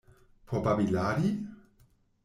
Por babiladi?